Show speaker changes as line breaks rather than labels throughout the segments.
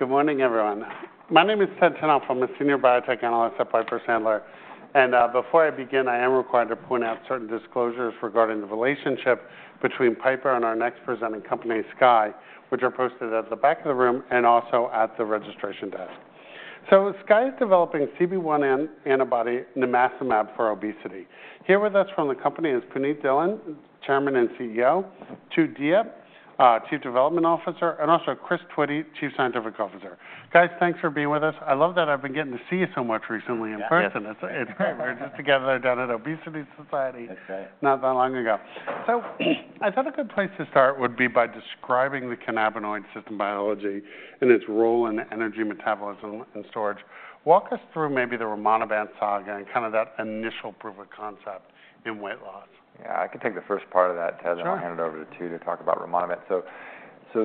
Good morning, everyone. My name is Ted Tenthoff. I'm a senior biotech analyst at Piper Sandler. Before I begin, I am required to point out certain disclosures regarding the relationship between Piper and our next presenting company, Skye, which are posted at the back of the room and also at the registration desk. Skye is developing CB1 antibody nimacimab for obesity. Here with us from the company is Punit Dhillon, Chairman and CEO, Tu Diep, Chief Development Officer, and also Chris Twitty, Chief Scientific Officer. Guys, thanks for being with us. I love that I've been getting to see you so much recently in person.
Thank you.
It's great. We were just together down at Obesity Society.
That's right.
Not that long ago. So I thought a good place to start would be by describing the cannabinoid system biology and its role in energy metabolism and storage. Walk us through maybe the rimonabant saga and kind of that initial proof of concept in weight loss.
Yeah, I can take the first part of that, Ted.
Sure.
And I'll hand it over to Tu to talk about rimonabant. So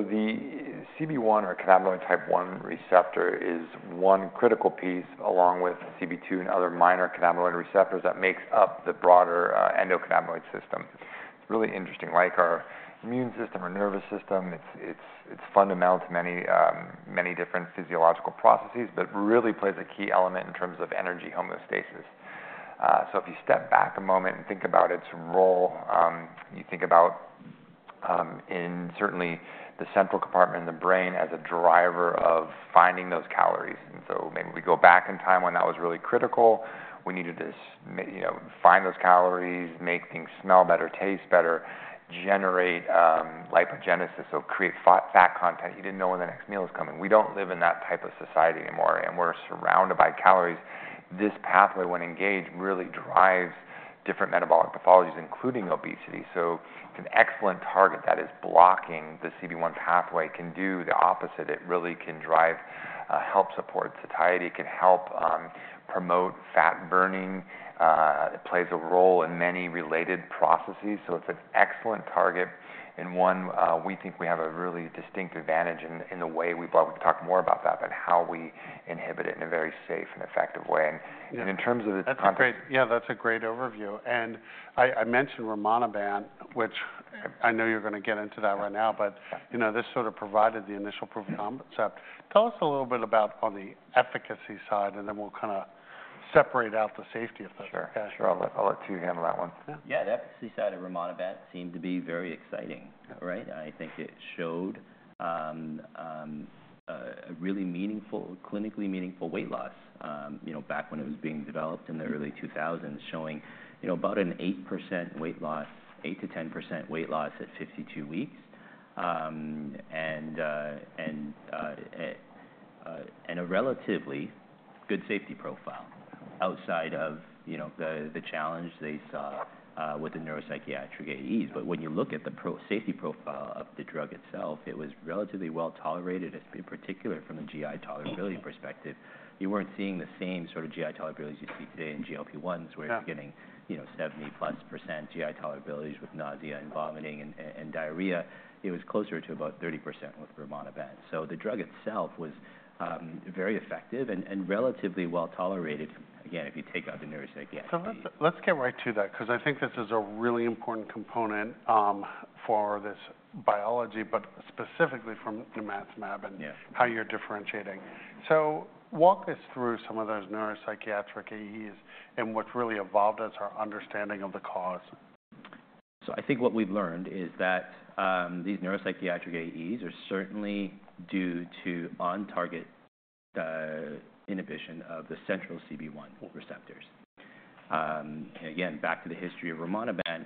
the CB1, or cannabinoid type 1 receptor, is one critical piece, along with CB2 and other minor cannabinoid receptors that make up the broader endocannabinoid system. It's really interesting. Like our immune system, our nervous system, it's fundamental to many, many different physiological processes, but really plays a key element in terms of energy homeostasis. So if you step back a moment and think about its role, you think about, certainly, the central compartment in the brain as a driver of finding those calories. And so maybe we go back in time when that was really critical. We needed to find those calories, make things smell better, taste better, generate lipogenesis, so create fat content. You didn't know when the next meal was coming. We don't live in that type of society anymore, and we're surrounded by calories. This pathway, when engaged, really drives different metabolic pathologies, including obesity. So it's an excellent target that is blocking the CB1 pathway. It can do the opposite. It really can drive, help support satiety. It can help promote fat burning. It plays a role in many related processes. So it's an excellent target. And one, we think we have a really distinct advantage in the way we talk more about that, about how we inhibit it in a very safe and effective way. And in terms of its context.
That's a great, yeah, that's a great overview. And I mentioned rimonabant, which I know you're going to get into that right now, but this sort of provided the initial proof of concept. Tell us a little bit about, on the efficacy side, and then we'll kind of separate out the safety of that.
Sure. Sure. I'll let Tu handle that one.
Yeah, the efficacy side of rimonabant seemed to be very exciting, right? And I think it showed a really meaningful, clinically meaningful weight loss back when it was being developed in the early 2000s, showing about an 8% weight loss, 8%-10% weight loss at 52 weeks, and a relatively good safety profile outside of the challenge they saw with the neuropsychiatric AEs. But when you look at the safety profile of the drug itself, it was relatively well tolerated, in particular from a GI tolerability perspective. You weren't seeing the same sort of GI tolerabilities you see today in GLP-1s, where you're getting 70%+ GI tolerabilities with nausea and vomiting and diarrhea. It was closer to about 30% with rimonabant. So the drug itself was very effective and relatively well tolerated, again, if you take out the neuropsychiatric.
So let's get right to that, because I think this is a really important component for this biology, but specifically for nimacimab and how you're differentiating. So walk us through some of those neuropsychiatric AEs and what's really evolved as our understanding of the cause.
So I think what we've learned is that these neuropsychiatric AEs are certainly due to on-target inhibition of the central CB1 receptors, and again, back to the history of rimonabant.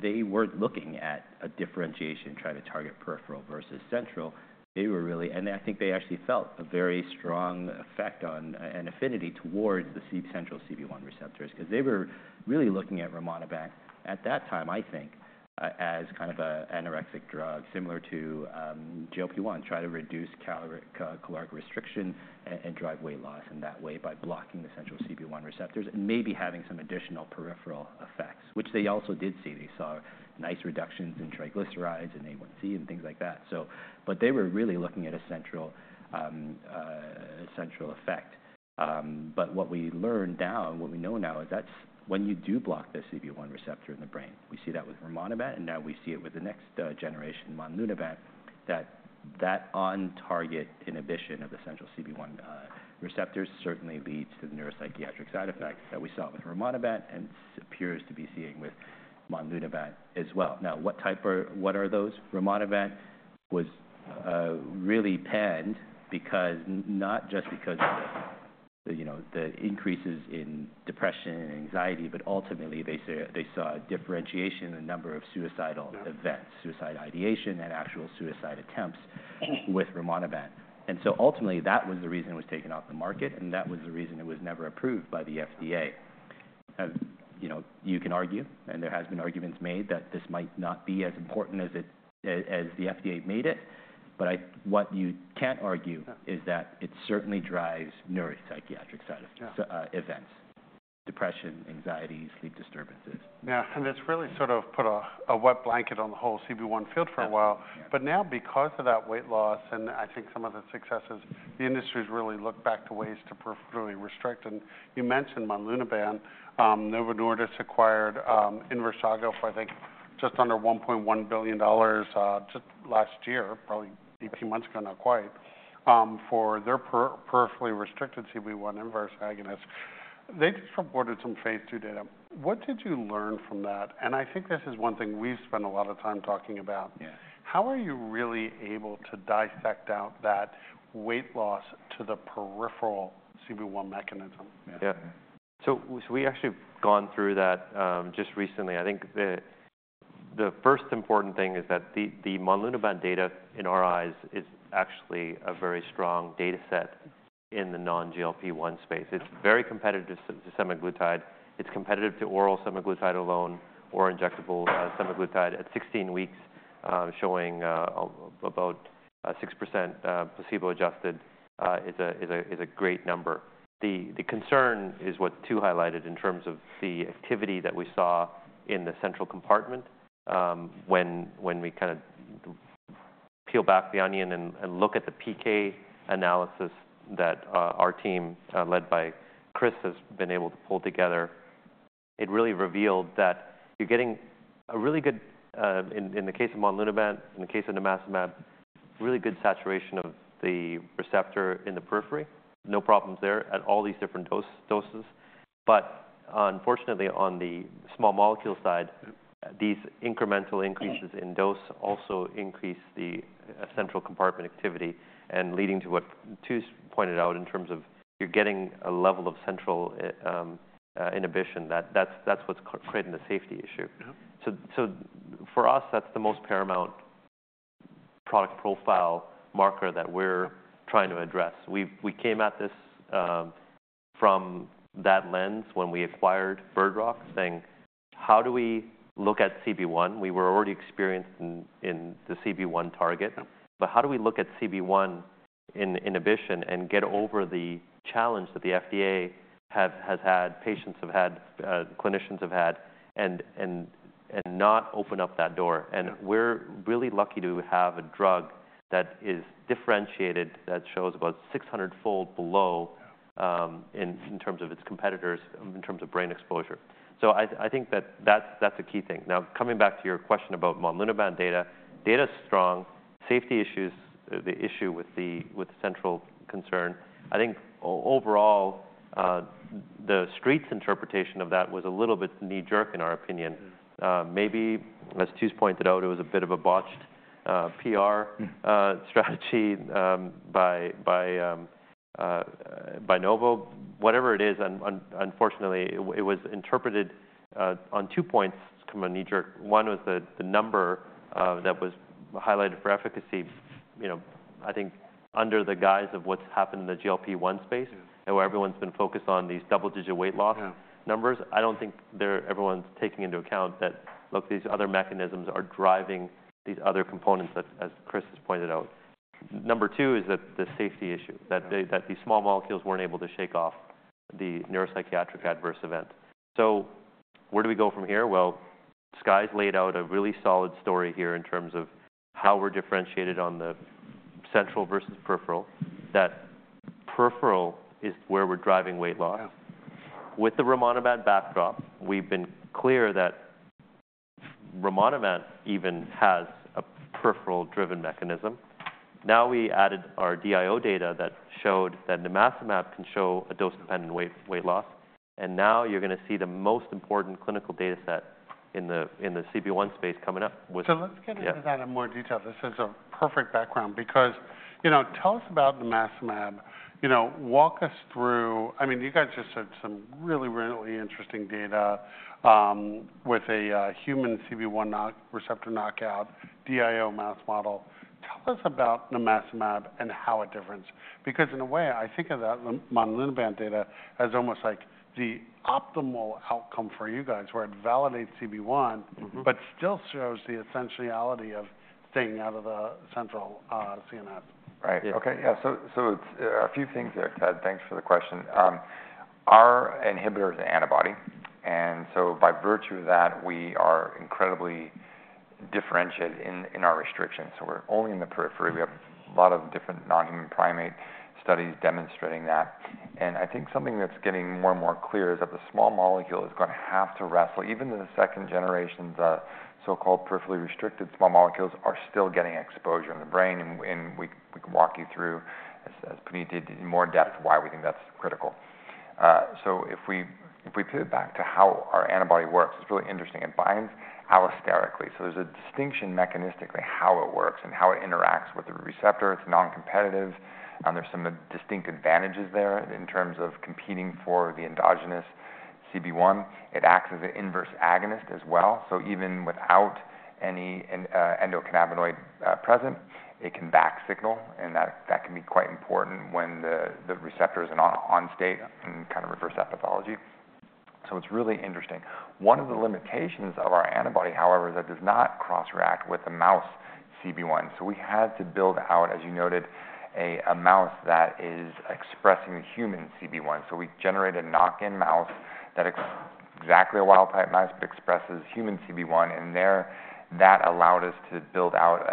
They weren't looking at a differentiation trying to target peripheral versus central. They were really, and I think they actually felt a very strong effect on an affinity towards the central CB1 receptors, because they were really looking at rimonabant at that time, I think, as kind of an anorectic drug similar to GLP-1, trying to reduce caloric restriction and drive weight loss in that way by blocking the central CB1 receptors and maybe having some additional peripheral effects, which they also did see. They saw nice reductions in triglycerides and A1C and things like that, but they were really looking at a central effect. What we learn now, what we know now, is that's when you do block the CB1 receptor in the brain. We see that with rimonabant, and now we see it with the next generation, monlunabant, that that on-target inhibition of the central CB1 receptors certainly leads to the neuropsychiatric side effects that we saw with rimonabant and appears to be seeing with monlunabant as well. Now, what are those? Rimonabant was really pulled not just because of the increases in depression and anxiety, but ultimately they saw a differentiation in the number of suicidal events, suicide ideation, and actual suicide attempts with rimonabant. Ultimately that was the reason it was taken off the market, and that was the reason it was never approved by the FDA. You can argue, and there have been arguments made, that this might not be as important as the FDA made it. But what you can't argue is that it certainly drives neuropsychiatric events: depression, anxiety, sleep disturbances.
Yeah. And it's really sort of put a wet blanket on the whole CB1 field for a while. But now, because of that weight loss and I think some of the successes, the industry has really looked back to ways to really restrict. And you mentioned monlunabant. Novo Nordisk acquired Inversago for, I think, just under $1.1 billion just last year, probably 18 months ago, not quite, for their peripherally restricted CB1 inverse agonist. They just reported some phase II data. What did you learn from that? And I think this is one thing we've spent a lot of time talking about. How are you really able to dissect out that weight loss to the peripheral CB1 mechanism?
Yeah. So we actually have gone through that just recently. I think the first important thing is that the monlunabant data, in our eyes, is actually a very strong data set in the non-GLP-1 space. It's very competitive to semaglutide. It's competitive to oral semaglutide alone or injectable semaglutide at 16 weeks, showing about 6% placebo-adjusted is a great number. The concern is what Tu highlighted in terms of the activity that we saw in the central compartment. When we kind of peel back the onion and look at the PK analysis that our team, led by Chris, has been able to pull together, it really revealed that you're getting a really good, in the case of monlunabant, in the case of nimacimab, really good saturation of the receptor in the periphery. No problems there at all these different doses. But unfortunately, on the small molecule side, these incremental increases in dose also increase the central compartment activity, and leading to what Tu pointed out in terms of you're getting a level of central inhibition. That's what's creating the safety issue. So for us, that's the most paramount product profile marker that we're trying to address. We came at this from that lens when we acquired Bird Rock, saying, "How do we look at CB1?" We were already experienced in the CB1 target. But how do we look at CB1 inhibition and get over the challenge that the FDA has had, patients have had, clinicians have had, and not open up that door? And we're really lucky to have a drug that is differentiated that shows about 600-fold below in terms of its competitors, in terms of brain exposure. So I think that that's a key thing. Now, coming back to your question about monlunabant data, data is strong. Safety issues are the issue with the central concern. I think overall, the street's interpretation of that was a little bit knee-jerk, in our opinion. Maybe, as Tu's pointed out, it was a bit of a botched PR strategy by Novo. Whatever it is, unfortunately, it was interpreted on two points kind of knee-jerk. One was the number that was highlighted for efficacy, I think, under the guise of what's happened in the GLP-1 space, and where everyone's been focused on these double-digit weight loss numbers. I don't think everyone's taking into account that, look, these other mechanisms are driving these other components, as Chris has pointed out. Number two is the safety issue, that these small molecules weren't able to shake off the neuropsychiatric adverse event. So where do we go from here? Skye's laid out a really solid story here in terms of how we're differentiated on the central versus peripheral, that peripheral is where we're driving weight loss. With the rimonabant backdrop, we've been clear that rimonabant even has a peripheral-driven mechanism. Now we added our DIO data that showed that nimacimab can show a dose-dependent weight loss. Now you're going to see the most important clinical data set in the CB1 space coming up with.
So let's get into that in more detail. This is a perfect background, because tell us about nimacimab. Walk us through, I mean, you guys just said some really, really interesting data with a human CB1 receptor knockout, DIO mouse model. Tell us about nimacimab and how it differs. Because in a way, I think of that monlunabant data as almost like the optimal outcome for you guys, where it validates CB1, but still shows the essentiality of staying out of the central CNS.
Right. Okay. Yeah. So a few things there, Ted. Thanks for the question. Our inhibitor is an antibody. And so by virtue of that, we are incredibly differentiated in our restrictions. So we're only in the periphery. We have a lot of different non-human primate studies demonstrating that. And I think something that's getting more and more clear is that the small molecule is going to have to wrestle. Even the second generation, the so-called peripherally restricted small molecules are still getting exposure in the brain. And we can walk you through, as Punit did, in more depth why we think that's critical. So if we pivot back to how our antibody works, it's really interesting. It binds allosterically. So there's a distinction mechanistically how it works and how it interacts with the receptor. It's non-competitive. There's some distinct advantages there in terms of competing for the endogenous CB1. It acts as an inverse agonist as well. So even without any endocannabinoid present, it can back signal. And that can be quite important when the receptor is on state and kind of reverse that pathology. So it's really interesting. One of the limitations of our antibody, however, is that it does not cross-react with the mouse CB1. So we had to build out, as you noted, a mouse that is expressing the human CB1. So we generated a knock-in mouse that exactly a wild-type mouse, but expresses human CB1. And that allowed us to build out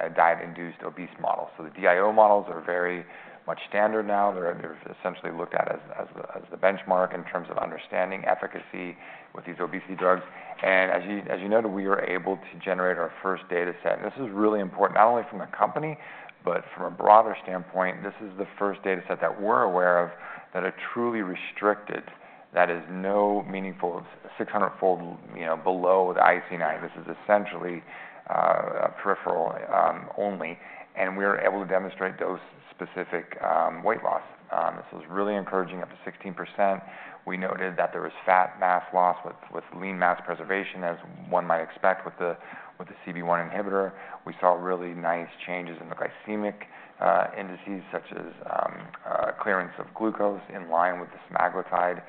a diet-induced obese model. So the DIO models are very much standard now. They're essentially looked at as the benchmark in terms of understanding efficacy with these obesity drugs. And as you noted, we were able to generate our first data set. This is really important, not only from a company, but from a broader standpoint. This is the first data set that we're aware of that are truly restricted, that is no meaningful 600-fold below the IC9. This is essentially peripheral only. We were able to demonstrate dose-specific weight loss. This was really encouraging, up to 16%. We noted that there was fat mass loss with lean mass preservation, as one might expect with the CB1 inhibitor. We saw really nice changes in the glycemic indices, such as clearance of glucose in line with the semaglutide.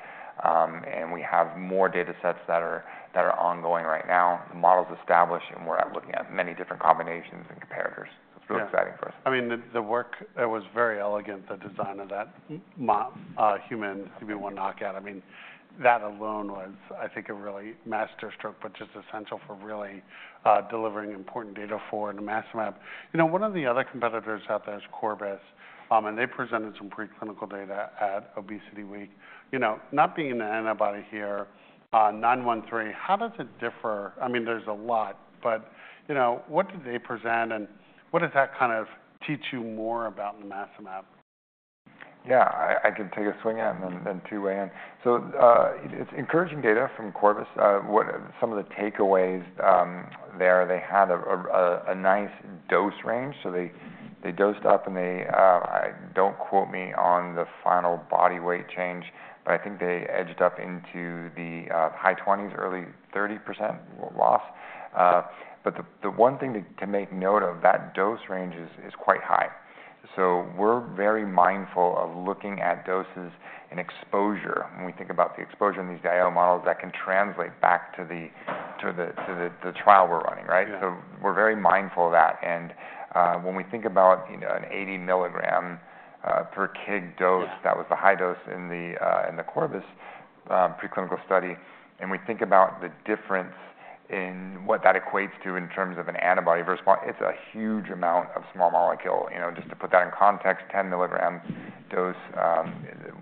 We have more data sets that are ongoing right now. The model's established, and we're looking at many different combinations and comparators. It's really exciting for us.
I mean, the work, it was very elegant, the design of that human CB1 knockout. I mean, that alone was, I think, a really masterstroke, but just essential for really delivering important data for nimacimab. One of the other competitors out there is Corbus, and they presented some preclinical data at ObesityWeek. Not being an antibody here, 913, how does it differ? I mean, there's a lot, but what did they present, and what does that kind of teach you more about nimacimab?
Yeah. I can take a swing at it and then Tu, weigh in. So it's encouraging data from Corbus. Some of the takeaways there, they had a nice dose range. So they dosed up, and they don't quote me on the final body weight change, but I think they edged up into the high 20s, early 30% loss. But the one thing to make note of, that dose range is quite high. So we're very mindful of looking at doses and exposure. When we think about the exposure in these DIO models, that can translate back to the trial we're running, right? So we're very mindful of that. And when we think about an 80 milligram per kg dose, that was the high dose in the Corbus preclinical study, and we think about the difference in what that equates to in terms of an antibody versus small, it's a huge amount of small molecule. Just to put that in context, 10 milligram dose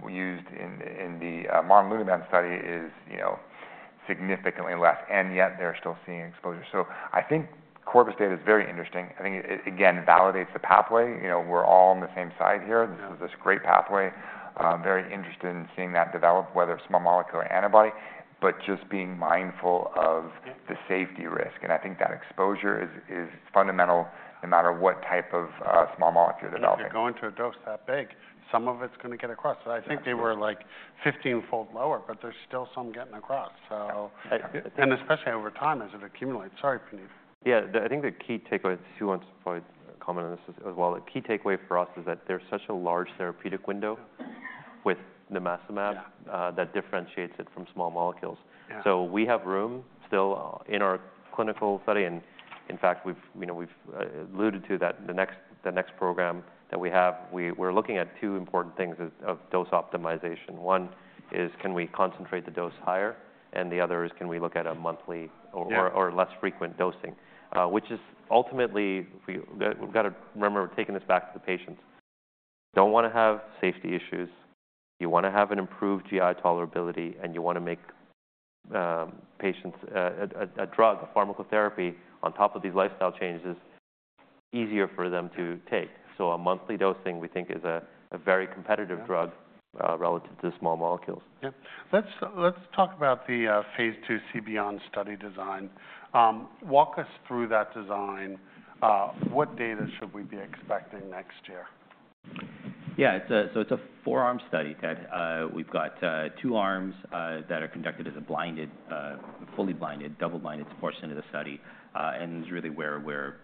used in the monlunabant study is significantly less. And yet they're still seeing exposure. So I think Corbus data is very interesting. I think it, again, validates the pathway. We're all on the same side here. This is a great pathway. Very interested in seeing that develop, whether small molecule or antibody, but just being mindful of the safety risk. And I think that exposure is fundamental no matter what type of small molecule development.
If you're going to a dose that big, some of it's going to get across. I think they were like 15-fold lower, but there's still some getting across. And especially over time as it accumulates. Sorry, Punit.
Yeah. I think the key takeaway, Tu wants to probably comment on this as well, the key takeaway for us is that there's such a large therapeutic window with nimacimab that differentiates it from small molecules, so we have room still in our clinical study, and in fact, we've alluded to that the next program that we have, we're looking at two important things of dose optimization. One is, can we concentrate the dose higher? And the other is, can we look at a monthly or less frequent dosing? Which is ultimately, we've got to remember, we're taking this back to the patients. You don't want to have safety issues. You want to have an improved GI tolerability, and you want to make patients a drug, a pharmacotherapy, on top of these lifestyle changes easier for them to take. So a monthly dosing, we think, is a very competitive drug relative to the small molecules.
Yeah. Let's talk about the phase II CB1 study design. Walk us through that design. What data should we be expecting next year?
Yeah. So it's a four-arm study, Ted. We've got two arms that are conducted as a fully blinded, double-blinded portion of the study. And it's really where we're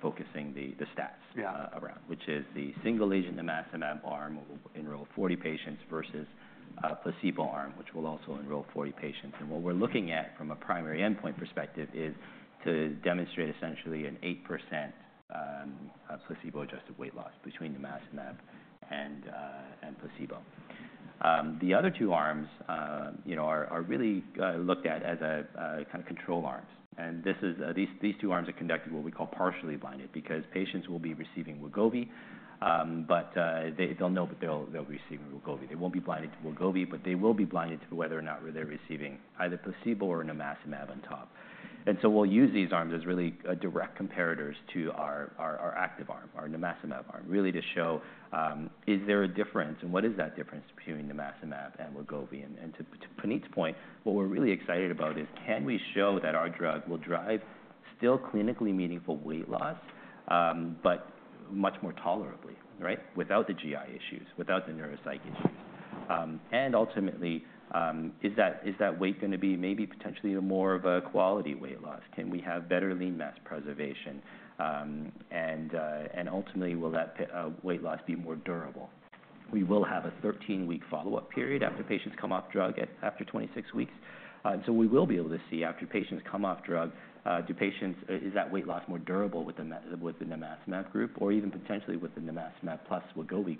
focusing the stats around, which is the single-agent nimacimab arm in roughly 40 patients versus placebo arm, which will also enroll 40 patients. And what we're looking at from a primary endpoint perspective is to demonstrate essentially an 8% placebo-adjusted weight loss between nimacimab and placebo. The other two arms are really looked at as kind of control arms. And these two arms are conducted what we call partially blinded, because patients will be receiving Wegovy, but they'll know that they'll be receiving Wegovy. They won't be blinded to Wegovy, but they will be blinded to whether or not they're receiving either placebo or nimacimab on top. We'll use these arms as really direct comparators to our active arm, our nimacimab arm, really to show, is there a difference? What is that difference between nimacimab and Wegovy? To Punit's point, what we're really excited about is, can we show that our drug will drive still clinically meaningful weight loss, but much more tolerably, right, without the GI issues, without the neuropsych issues? Ultimately, is that weight going to be maybe potentially more of a quality weight loss? Can we have better lean mass preservation? Ultimately, will that weight loss be more durable? We will have a 13-week follow-up period after patients come off drug after 26 weeks. We will be able to see after patients come off drug, is that weight loss more durable with the nimacimab group, or even potentially with the nimacimab plus Wegovy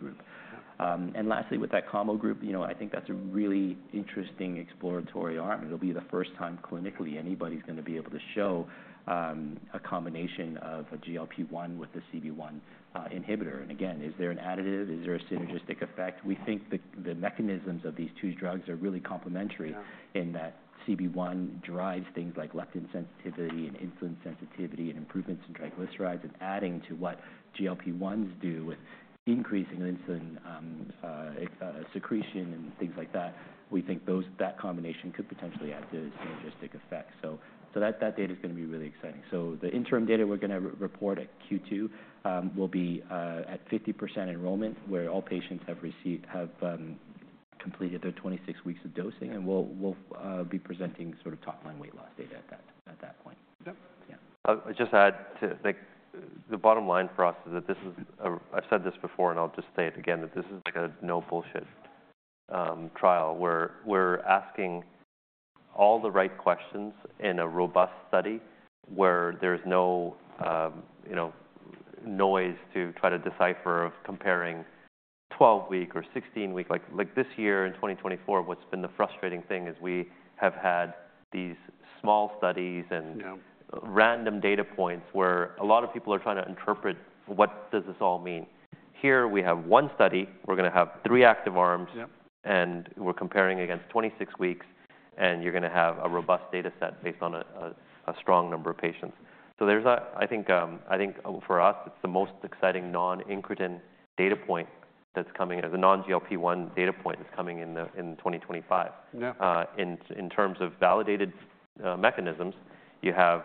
group? Lastly, with that combo group, I think that's a really interesting exploratory arm. It'll be the first time clinically anybody's going to be able to show a combination of a GLP-1 with a CB1 inhibitor. Again, is there an additive? Is there a synergistic effect? We think the mechanisms of these two drugs are really complementary in that CB1 drives things like leptin sensitivity and insulin sensitivity and improvements in triglycerides, and adding to what GLP-1s do with increasing insulin secretion and things like that, we think that combination could potentially add to the synergistic effect. That data is going to be really exciting. The interim data we're going to report at Q2 will be at 50% enrollment, where all patients have completed their 26 weeks of dosing. We'll be presenting sort of top-line weight loss data at that point.
Yeah. I'll just add to the bottom line for us is that this is. I've said this before, and I'll just say it again, that this is like a no-bullshit trial where we're asking all the right questions in a robust study where there's no noise to try to decipher of comparing 12-week or 16-week. Like, this year in 2024, what's been the frustrating thing is we have had these small studies and random data points where a lot of people are trying to interpret what does this all mean. Here we have one study. We're going to have three active arms, and we're comparing against 26 weeks, and you're going to have a robust data set based on a strong number of patients. So I think for us, it's the most exciting non-incretin data point that's coming, the non-GLP-1 data point that's coming in 2025. In terms of validated mechanisms, you have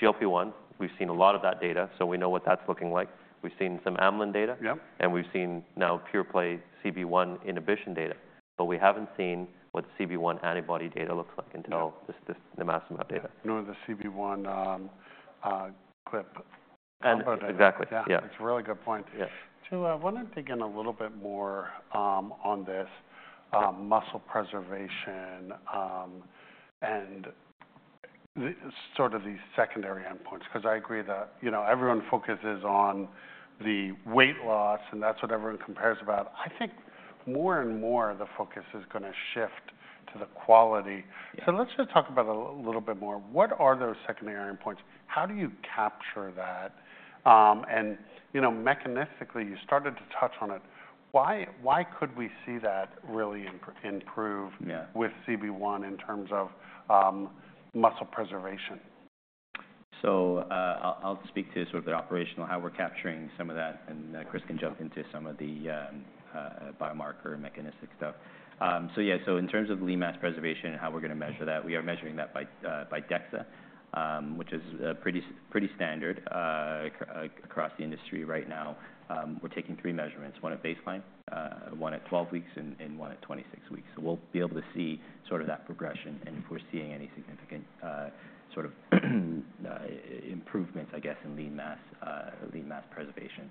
GLP-1. We've seen a lot of that data, so we know what that's looking like. We've seen some amylin data, and we've seen now pure-play CB1 inhibition data. But we haven't seen what the CB1 antibody data looks like until this nimacimab data.
Nor the CB1 clip.
Exactly. Yeah.
It's a really good point.
Yes.
Ted, I want to dig in a little bit more on this muscle preservation and sort of these secondary endpoints. Because I agree that everyone focuses on the weight loss, and that's what everyone compares about. I think more and more the focus is going to shift to the quality. So let's just talk about it a little bit more. What are those secondary endpoints? How do you capture that? And mechanistically, you started to touch on it. Why could we see that really improve with CB1 in terms of muscle preservation?
I'll speak to sort of the operational, how we're capturing some of that, and Chris can jump into some of the biomarker mechanistic stuff. Yeah, in terms of lean mass preservation and how we're going to measure that, we are measuring that by DEXA, which is pretty standard across the industry right now. We're taking three measurements, one at baseline, one at 12 weeks, and one at 26 weeks. We'll be able to see sort of that progression and if we're seeing any significant sort of improvements, I guess, in lean mass preservation.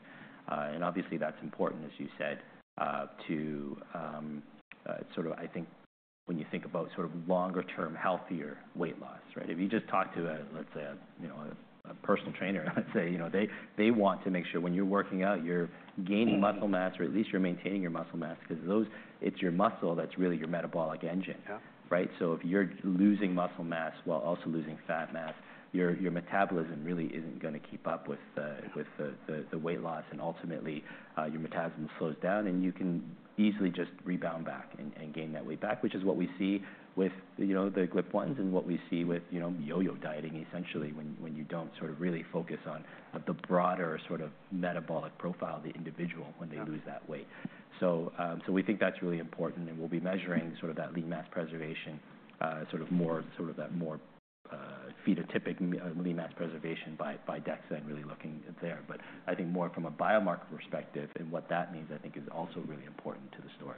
Obviously, that's important, as you said, to sort of, I think, when you think about sort of longer-term healthier weight loss, right? If you just talk to, let's say, a personal trainer, let's say, they want to make sure when you're working out, you're gaining muscle mass, or at least you're maintaining your muscle mass, because it's your muscle that's really your metabolic engine, right? So if you're losing muscle mass while also losing fat mass, your metabolism really isn't going to keep up with the weight loss, and ultimately, your metabolism slows down, and you can easily just rebound back and gain that weight back, which is what we see with the GLP-1s and what we see with yo-yo dieting, essentially, when you don't sort of really focus on the broader sort of metabolic profile of the individual when they lose that weight, so we think that's really important. And we'll be measuring sort of that lean mass preservation, sort of that more phenotypic lean mass preservation by DEXA and really looking there. But I think more from a biomarker perspective, and what that means, I think, is also really important to the story.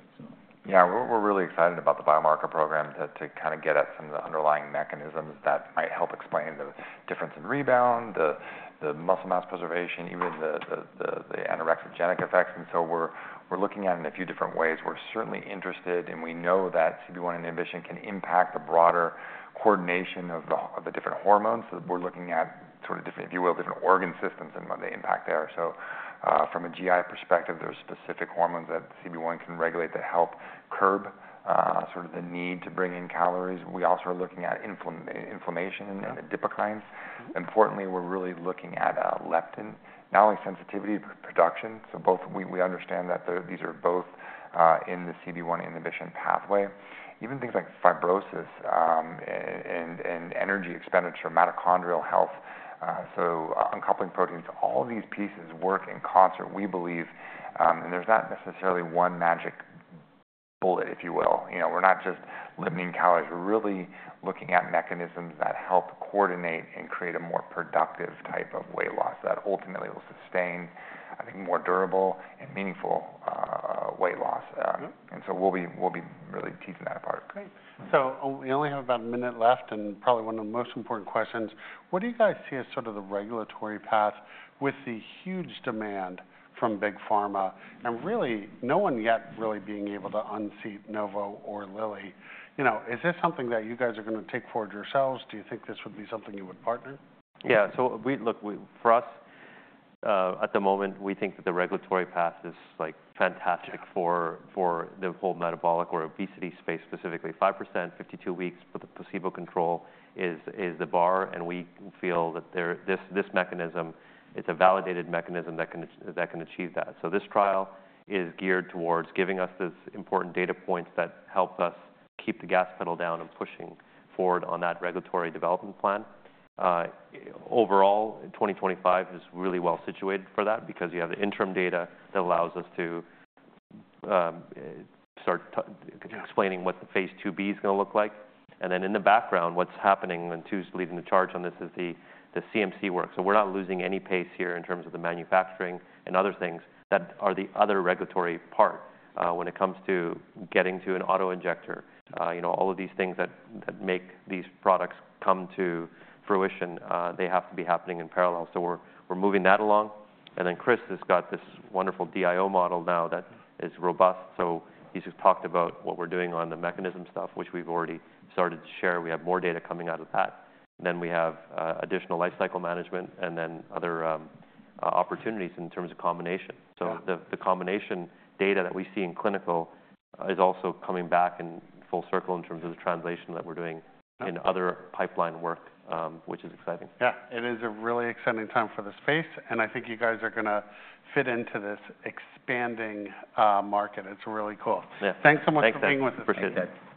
Yeah. We're really excited about the biomarker program to kind of get at some of the underlying mechanisms that might help explain the difference in rebound, the muscle mass preservation, even the anorexigenic effects. And so we're looking at it in a few different ways. We're certainly interested, and we know that CB1 inhibition can impact the broader coordination of the different hormones. So we're looking at sort of, if you will, different organ systems and what they impact there. So from a GI perspective, there are specific hormones that CB1 can regulate that help curb sort of the need to bring in calories. We also are looking at inflammation and adipokines. Importantly, we're really looking at leptin, not only sensitivity production. So we understand that these are both in the CB1 inhibition pathway. Even things like fibrosis and energy expenditure, mitochondrial health, so uncoupling proteins, all these pieces work in concert, we believe. And there's not necessarily one magic bullet, if you will. We're not just limiting calories. We're really looking at mechanisms that help coordinate and create a more productive type of weight loss that ultimately will sustain, I think, more durable and meaningful weight loss. And so we'll be really teasing that apart.
Great. So we only have about a minute left, and probably one of the most important questions. What do you guys see as sort of the regulatory path with the huge demand from big pharma? And really, no one yet really being able to unseat Novo or Lilly. Is this something that you guys are going to take forward yourselves? Do you think this would be something you would partner?
Yeah. So look, for us, at the moment, we think that the regulatory path is fantastic for the whole metabolic or obesity space, specifically 5%, 52 weeks, but the placebo control is the bar. And we feel that this mechanism, it's a validated mechanism that can achieve that. So this trial is geared towards giving us these important data points that help us keep the gas pedal down and pushing forward on that regulatory development plan. Overall, 2025 is really well situated for that because you have the interim data that allows us to start explaining what the phase II-b is going to look like. And then in the background, what's happening when Tu is leading the charge on this is the CMC work. So we're not losing any pace here in terms of the manufacturing and other things that are the other regulatory part when it comes to getting to an auto injector. All of these things that make these products come to fruition, they have to be happening in parallel. So we're moving that along. And then Chris has got this wonderful DIO model now that is robust. So he's just talked about what we're doing on the mechanism stuff, which we've already started to share. We have more data coming out of that. Then we have additional lifecycle management and then other opportunities in terms of combination. So the combination data that we see in clinical is also coming back and full circle in terms of the translation that we're doing in other pipeline work, which is exciting.
Yeah. It is a really exciting time for the space, and I think you guys are going to fit into this expanding market. It's really cool. Thanks so much for being with us today.
Thank you. Appreciate that.